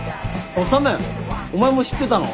修お前も知ってたの？